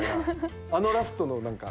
あのラストの何か。